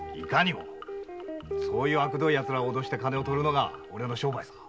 そういうあくどいやつらを脅して金を取るのが俺の商売だ。